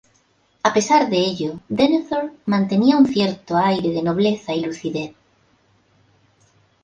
A pesar de ello Denethor mantenía un cierto aire de nobleza y lucidez.